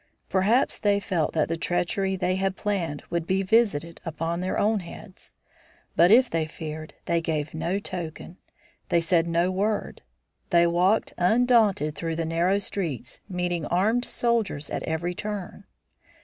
Perhaps they felt that the treachery they had planned would be visited on their own heads. But if they feared, they gave no token; they said no word. They walked undaunted through the narrow streets, meeting armed soldiers at every turn.